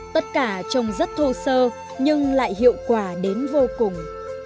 tất cả chồng rất thô sơ nhưng lại hiệu quả đến vô cùng